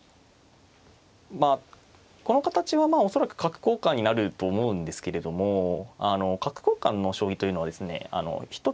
まあこの形は恐らく角交換になると思うんですけれども角交換の将棋というのはですね一つ